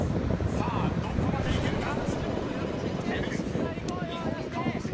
［さあどこまでいけるか⁉］